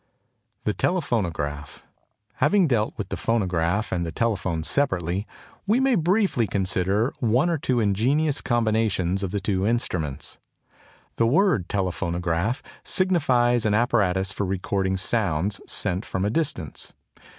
THE TELEPHONOGRAPH. Having dealt with the phonograph and the telephone separately, we may briefly consider one or two ingenious combinations of the two instruments. The word Telephonograph signifies an apparatus for recording sounds sent from a distance.